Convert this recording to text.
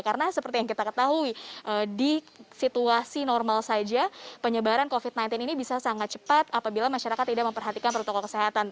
karena seperti yang kita ketahui di situasi normal saja penyebaran covid sembilan belas ini bisa sangat cepat apabila masyarakat tidak memperhatikan protokol kesehatan